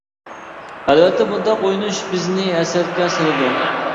ئەلۋەتتە بۇنداق ئويلىنىش بىزنى ھەسرەتكە سالىدۇ.